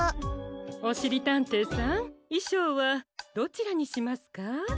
おしりたんていさんいしょうはどちらにしますか？